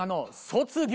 「卒業」